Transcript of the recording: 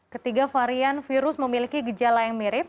ketiga varian virus memiliki gejala yang mirip